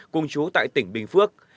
cùng chú tại tỉnh bình phước